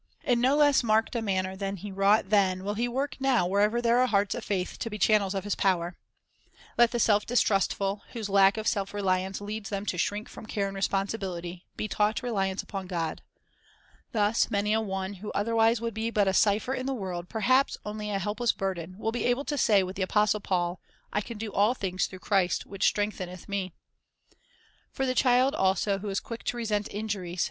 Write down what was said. In no less marked a manner than He wrought then will He work now wherever there are hearts of faith to be channels of His power. Let the self distrustful, whose lack of self reliance Help for leads them to shrink from care and responsibility, be Distrustful taught reliance upon God. Thus many a one who otherwise would be but a cipher in the world, perhaps only a helpless burden, will be able to say with the apostle Paul, "I can do all things through Christ which strengthened me."' 2 For the child also who is quick to resent injuries, 1 Acts 27 : 22 24, 34. 44 a Phil.